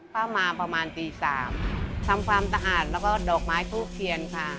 พ่อมาประมาณ๓๐๐นทำความสะอาดและดอกไม้พูดเคียนค่ะ